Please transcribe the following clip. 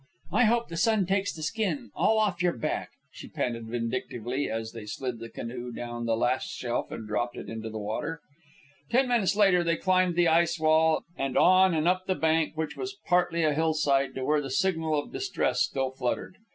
I hope the sun takes the skin all off your back," she panted vindictively, as they slid the canoe down the last shelf and dropped it into the water. Ten minutes later they climbed the ice wall, and on and up the bank, which was partly a hillside, to where the signal of distress still fluttered.